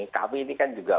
kb ini kan juga